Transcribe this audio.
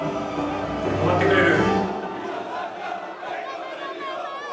止まってくれる？